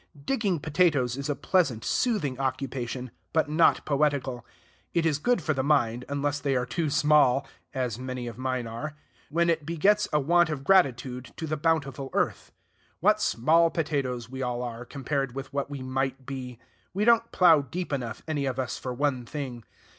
Digging potatoes is a pleasant, soothing occupation, but not poetical. It is good for the mind, unless they are too small (as many of mine are), when it begets a want of gratitude to the bountiful earth. What small potatoes we all are, compared with what we might be! We don't plow deep enough, any of us, for one thing.